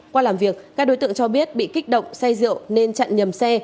qua làm việc các đối tượng cho biết bị kích động say rượu nên chặn nhầm xe